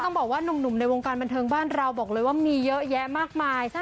บอกว่านุ่มในวงการบันเทิงบ้านเราบอกเลยว่ามีเยอะแยะมากมาย